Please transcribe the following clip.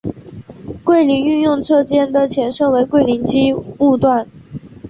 桂林运用车间的前身为桂林机务段。